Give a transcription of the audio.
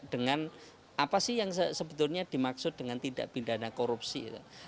dengan apa sih yang sebetulnya dimaksud dengan tindak pidana korupsi